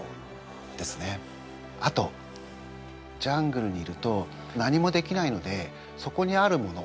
あとジャングルにいると何もできないのでそこにあるもの